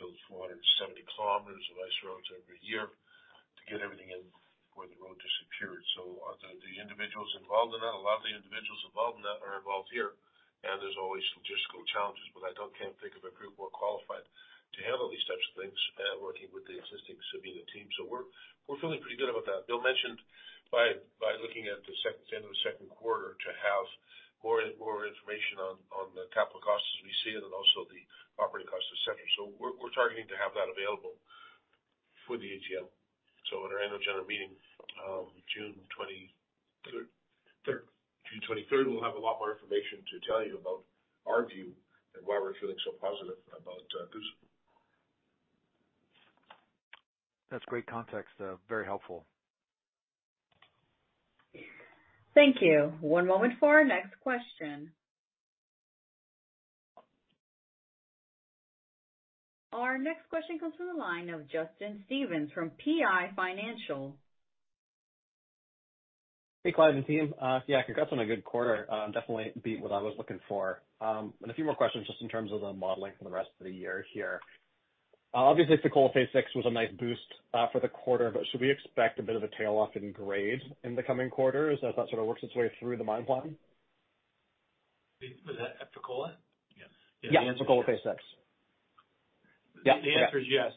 build 470 km of ice roads every year to get everything in before the road disappeared. The individuals involved in that, a lot of the individuals involved in that are involved here. There's always logistical challenges, but can't think of a group more qualified to handle these types of things, working with the existing Sabina team. We're feeling pretty good about that. Bill mentioned by looking at the second quarter to have more information on the capital costs as we see it and also the operating costs, et cetera. We're targeting to have that available for the AGM. At our annual general meeting, June. Third. Third. June 23rd, we'll have a lot more information to tell you about our view and why we're feeling so positive about Goose. That's great context. Very helpful. Thank you. One moment for our next question. Our next question comes from the line of Justin Stevens from PI Financial. Hey, Clive and team. Yeah, congrats on a good quarter. Definitely beat what I was looking for. A few more questions just in terms of the modeling for the rest of the year here. Obviously, Fekola phase 6 was a nice boost for the quarter, but should we expect a bit of a tailoff in grade in the coming quarters as that sort of works its way through the mine plan? Was that at Fekola? Yes. Yeah, Fekola phase 6. Yeah. The answer is yes.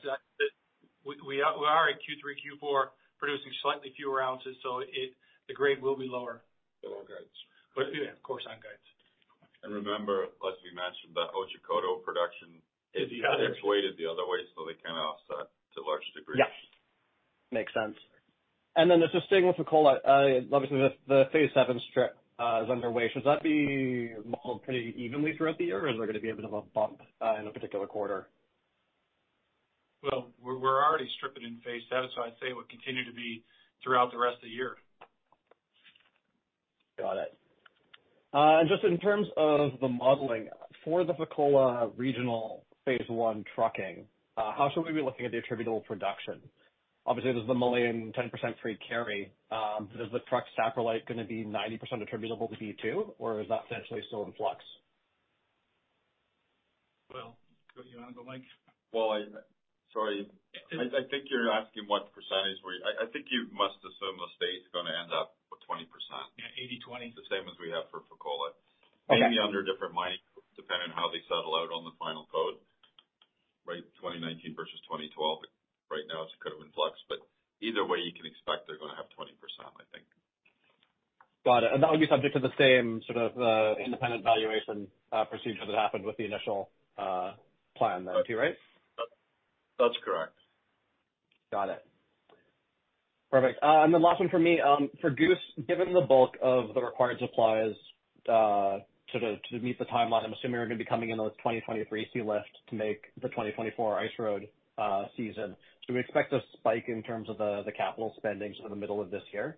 We are in Q3, Q4 producing slightly fewer ounces, so the grade will be lower. Below guides. Yeah, of course, on guides. Remember, as we mentioned, the Otjikoto production is weighted the other way, so they kinda offset to a large degree. Yes. Makes sense. Just staying with Fekola, obviously the phase 7 strip is underway. Should that be modeled pretty evenly throughout the year, or is there going to be a bit of a bump in a particular quarter? We're already stripping in phase 7, so I'd say it would continue to be throughout the rest of the year. Got it. Just in terms of the modeling, for the Fekola Regional phase 1 trucking, how should we be looking at the attributable production? Obviously, there's the Malian 10% free carry. Is the truck satellite gonna be 90% attributable to B2Gold, or is that potentially still in flux? Well, go you on, Bill, Mike. Well, Sorry. I think you're asking what percentage we. I think you must assume State's gonna end up with 20%. Yeah, 80/20. The same as we have for Fekola. Okay. Maybe under a different mining group, depending on how they settle out on the final code, right? 2019 versus 2012. Right now, it's kind of in flux, but either way, you can expect they're gonna have 20%, I think. Got it. That would be subject to the same sort of independent valuation procedure that happened with the initial plan then, too, right? That's correct. Got it. Perfect. Last one for me. For Goose, given the bulk of the required supplies to meet the timeline, I'm assuming you're gonna be coming in on the 2023 sealift to make the 2024 ice road season. Do we expect a spike in terms of the capital spending sort of middle of this year?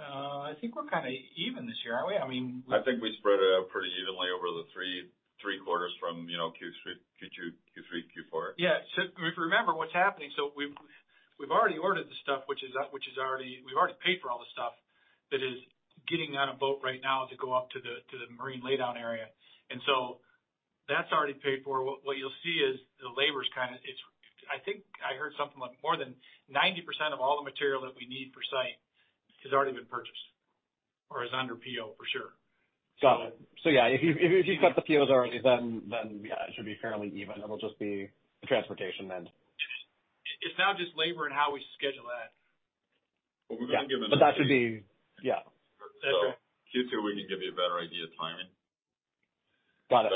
I think we're kinda even this year, aren't we? I think we spread it out pretty evenly over the three quarters from, you know, Q3, Q2, Q3, Q4. If you remember what's happening, we've already ordered the stuff. We've already paid for all the stuff that is getting on a boat right now to go up to the marine laydown area. That's already paid for. What you'll see is the labor's kinda. I think I heard something like more than 90% of all the material that we need for site has already been purchased or is under POs for sure. Got it. Yeah, if you've got the POs already, then, yeah, it should be fairly even. It'll just be the transportation then. It's now just labor and how we schedule that. We're gonna give it. That should be. Yeah. That's right. Q2, we can give you a better idea of timing. Got it.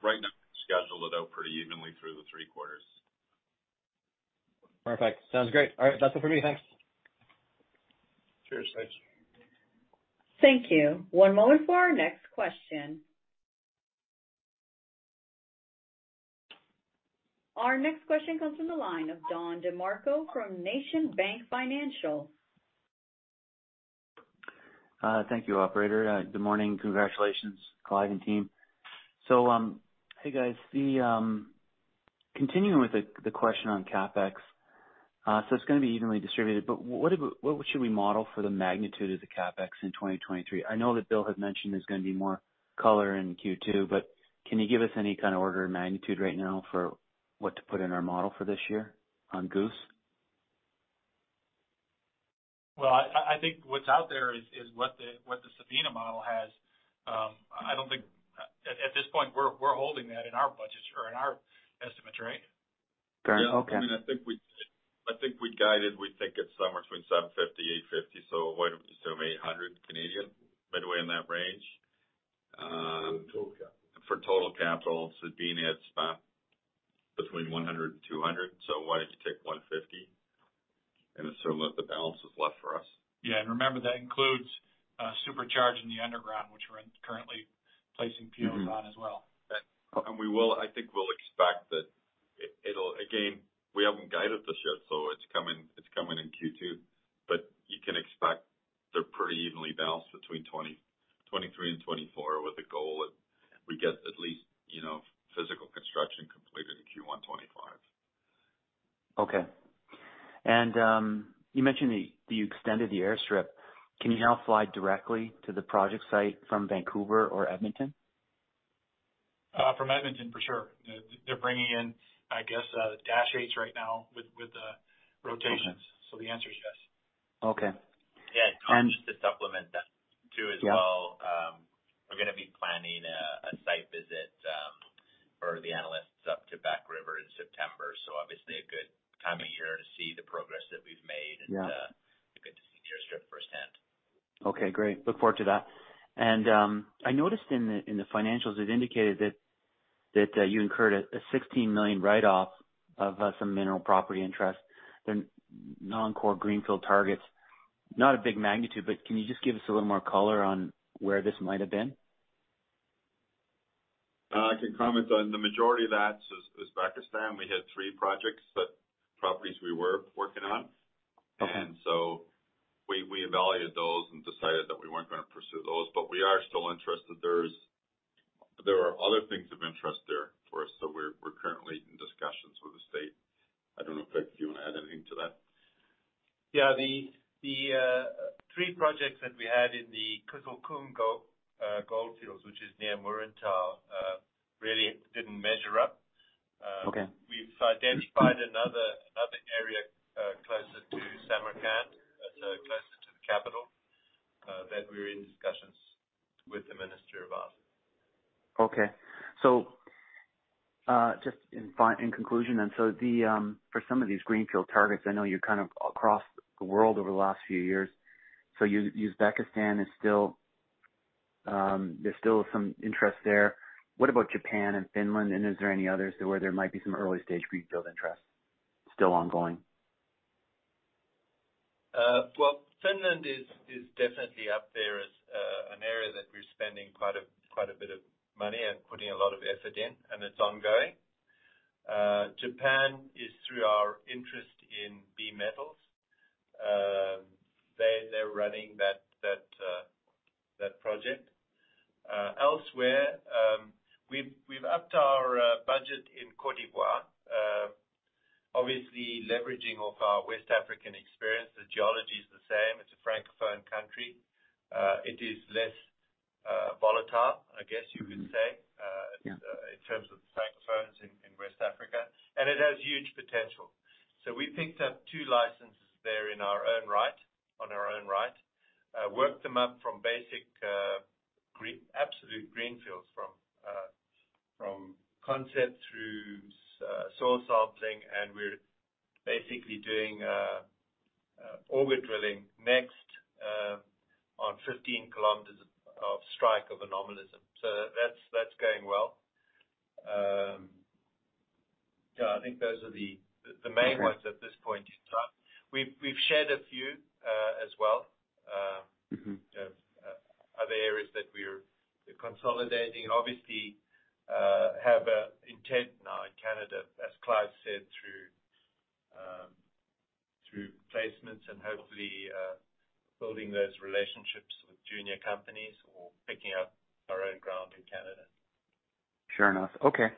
Right now, we've scheduled it out pretty evenly through the three quarters. Perfect. Sounds great. All right. That's it for me. Thanks. Cheers. Thanks. Thank you. One moment for our next question. Our next question comes from the line of Don DeMarco from National Bank Financial. Thank you, operator. Good morning. Congratulations, Clive and team. Hey, guys, continuing with the question on CapEx, it's gonna be evenly distributed, but what should we model for the magnitude of the CapEx in 2023? I know that Bill had mentioned there's gonna be more color in Q2, can you give us any kind of order of magnitude right now for what to put in our model for this year on Goose? Well, I think what's out there is what the Sabina model has. At this point, we're holding that in our budgets or in our estimates, right? Got it. Okay. Yeah. I mean, I think we, I think we guided, we think it's somewhere between 750-850, so why don't we just do 800 Canadian, midway in that range. Total capital. For total capital, Sabina had spent between $100 and $200, so why don't you take $150 and assume that the balance is left for us? Yeah. Remember, that includes Supercharge and the underground, which we're in, currently placing POs on as well. I think we'll expect that. Again, we haven't guided the shift, so it's coming in Q2. You can expect they're pretty evenly balanced between 2023 and 2024, with a goal of we get at least, you know, physical construction completed in Q1 2025. Okay. you mentioned the, that you extended the airstrip. Can you now fly directly to the project site from Vancouver or Edmonton? From Edmonton, for sure. They're bringing in, I guess, Dash 8 right now with the rotations. The answer is yes. Okay. Yeah. Just to supplement that too as well. Yeah. We're gonna be planning a site visit for the analysts up to Back River in September. Obviously a good time of year to see the progress that we've made. Yeah. Good to see the airstrip firsthand. Okay, great. Look forward to that. I noticed in the financials, it indicated that you incurred a $16 million write-off of some mineral property interest. They're non-core greenfield targets. Not a big magnitude, but can you just give us a little more color on where this might have been? I can comment on the majority of that is Pakistan. We had three projects that properties we were working on. Okay. We evaluated those and decided that we weren't gonna pursue those. We are still interested. There are other things of interest there for us. We're currently in discussions with the state. I don't know if you wanna add anything to that. Yeah. The, the three projects that we had in the Kyzylkum Goldfields, which is near Muruntau, really didn't measure up. Okay. We've identified another area closer to Samarkand, so closer to the capital, that we're in discussions with the Minister about. Okay. In conclusion, For some of these greenfield targets, I know you're kind of across the world over the last few years. Uzbekistan is still some interest there. What about Japan and Finland? Is there any others where there might be some early-stage greenfield interest still ongoing? Well, Finland is definitely up there as an area that we're spending quite a bit of money and putting a lot of effort in, and it's ongoing. Japan is through our interest in B Metals. They're running that project. Elsewhere, we've upped our budget in Côte d'Ivoire. Obviously leveraging off our West African experience. The geology is the same. It's a Francophone country. It is less volatile, I guess you could say. Yeah. Francophones in West Africa, it has huge potential. We picked up two licenses there in our own right. Worked them up from basic absolute greenfield from concept through soil sampling, and we're basically doing auger drilling next on 15 kilometers of strike of anomalism. That's going well. I think those are the main ones. At this point in time. We've shed a few, as well. Other areas that we're consolidating. Obviously, have an intent now in Canada, as Clive said, through placements and hopefully, building those relationships with junior companies or picking up our own ground in Canada. Sure enough. Okay.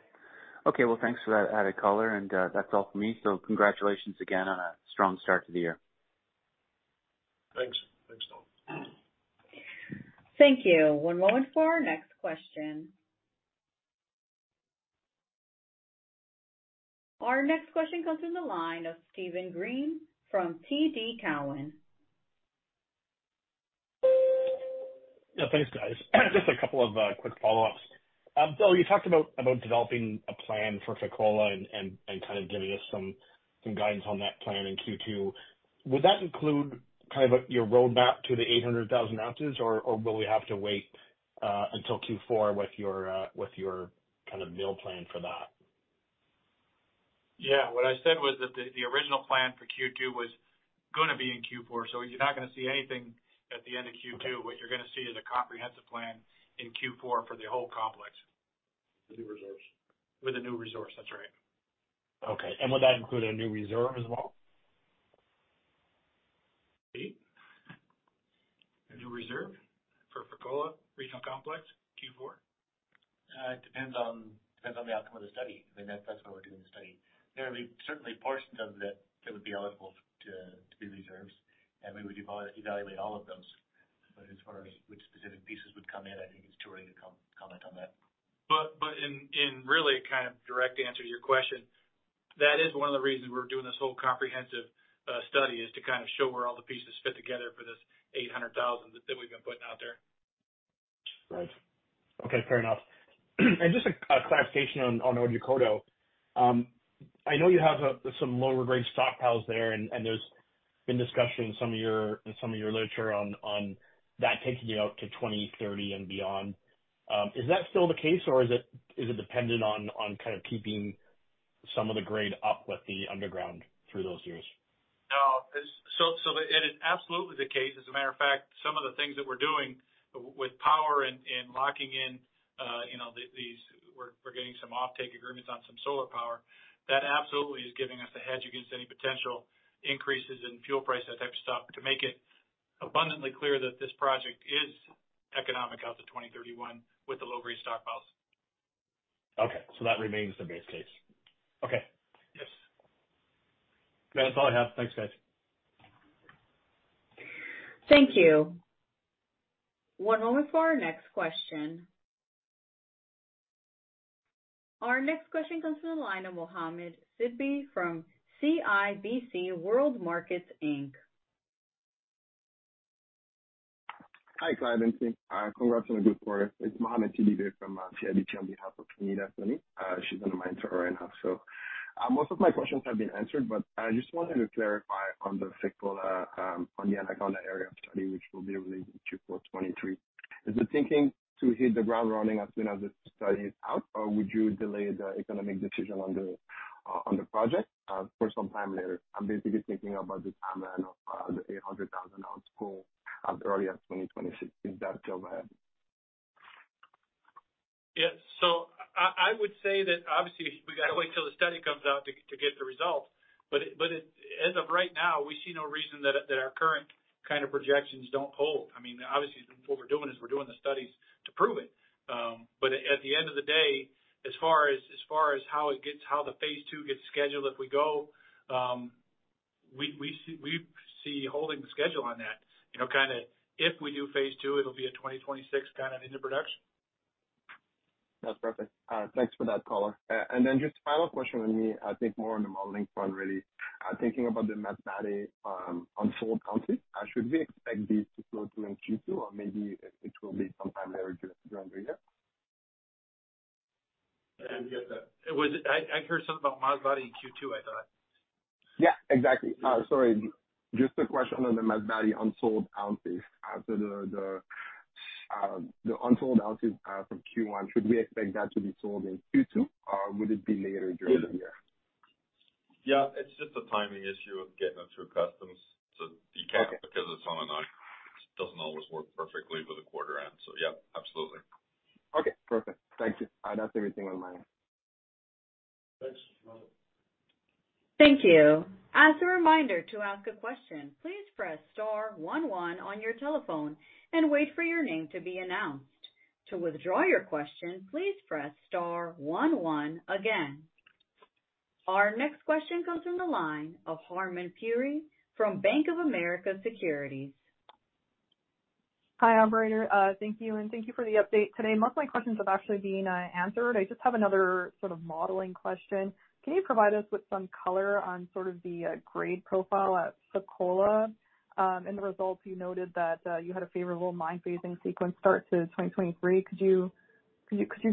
Okay. Thanks for that added color. That's all for me. Congratulations again on a strong start to the year. Thanks. Thanks, Don Thank you. One moment for our next question. Our next question comes from the line of Steven Green from TD Cowen. Yeah, thanks, guys. Just a couple of quick follow-ups. Bill, you talked about developing a plan for Fekola and kind of giving us some guidance on that plan in Q2. Would that include kind of a, your roadmap to the 800,000 ounces, or will we have to wait until Q4 with your kind of mill plan for that? Yeah. What I said was that the original plan for Q2 was gonna be in Q4. You're not gonna see anything at the end of Q2. What you're gonna see is a comprehensive plan in Q4 for the whole complex. With the new resource. With the new resource. That's right. Okay. Would that include a new reserve as well? Steve? A new reserve for Fekola Regional Complex, Q4? It depends on the outcome of the study. I mean, that's why we're doing the study. There'll be certainly portions of that that would be eligible to be reserves, and we would evaluate all of those. As far as which specific pieces would come in, I think it's too early to comment on that. In really kind of direct answer to your question. That is one of the reasons we're doing this whole comprehensive study, is to kind of show where all the pieces fit together for this 800,000 that we've been putting out there. Right. Okay. Fair enough. Just a clarification on Otjikoto. I know you have some lower grade stockpiles there, and there's been discussion in some of your literature on that taking it out to 2030 and beyond. Is that still the case or is it dependent on kind of keeping some of the grade up with the underground through those years? No. It is absolutely the case. As a matter of fact, some of the things that we're doing with power and locking in, you know, We're getting some offtake agreements on some solar power. That absolutely is giving us a hedge against any potential increases in fuel price, that type of stuff. To make it abundantly clear that this project is economic out to 2031 with the low-grade stockpiles. Okay, that remains the base case. Okay. Yes. That's all I have. Thanks, guys. Thank you. One moment for our next question. Our next question comes from the line of Mohamed Sidibé from CIBC World Markets Inc. Hi, Clive and team. Congrats on a good quarter. It's Mohamed Sidibe from CIBC on behalf of Anita Soni. She's on the mine tour right now. Most of my questions have been answered, but I just wanted to clarify on the Fekola on the Anaconda area of study, which will be released Q4 2023. Is the thinking to hit the ground running as soon as the study is out, or would you delay the economic decision on the project for some time later? I'm basically thinking about the timeline of the 800,000 ounce goal as early as 2026, if that's still there. Yes. I would say that obviously we gotta wait till the study comes out to get the results. As of right now, we see no reason that our current kind of projections don't hold. I mean, obviously what we're doing is we're doing the studies to prove it. At the end of the day, as far as far as how it gets, how the phase 2 gets scheduled, if we go, we see holding the schedule on that. You know, kinda if we do phase 2, it'll be a 2026 kind of into production. That's perfect. Thanks for that color. Just final question from me, I think more on the modeling front really. Thinking about the Masbate unsold ounces, should we expect these to flow through in Q2, or maybe it will be sometime later during the year? I didn't get that. I heard something about Masbate in Q2, I thought. Yeah, exactly. Sorry. Just a question on the Masbate unsold ounces. The unsold ounces from Q1. Should we expect that to be sold in Q2, or would it be later during the year? Yeah. It's just a timing issue of getting it through customs to decanter. Okay. It's on an island. It doesn't always work perfectly with the quarter end, so yeah, absolutely. Okay, perfect. Thank you. That's everything on my end. Thank you. As a reminder, to ask a question, please press star one one on your telephone and wait for your name to be announced. To withdraw your question, please press star one one again. Our next question comes from the line of Harmen Puri from Bank of America Securities. Hi, operator. Thank you, and thank you for the update today. Most of my questions have actually been answered. I just have another sort of modeling question. Can you provide us with some color on sort of the grade profile at Fekola? In the results, you noted that you had a favorable mine phasing sequence start to 2023. Could you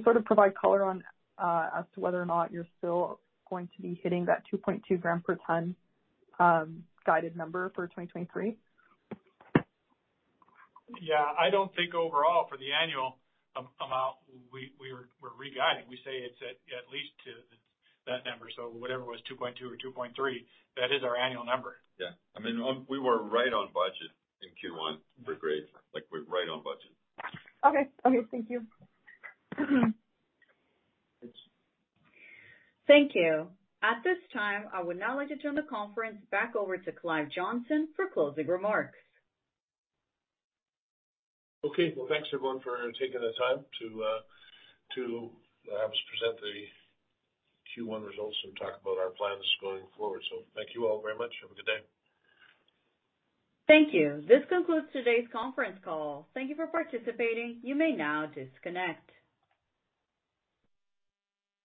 sort of provide color on as to whether or not you're still going to be hitting that 2.2 gram per tonne guided number for 2023? Yeah. I don't think overall for the annual amount we're re-guiding. We say it's at least to that number. Whatever it was, 2.2 or 2.3, that is our annual number. Yeah. I mean, we were right on budget in Q1 for grades. Like, we're right on budget. Okay. Okay. Thank you. Thank you. At this time, I would now like to turn the conference back over to Clive Johnson for closing remarks. Okay. Well, thanks, everyone, for taking the time to have us present the Q1 results and talk about our plans going forward. Thank you all very much. Have a good day. Thank you. This concludes today's conference call. Thank you for participating. You may now disconnect.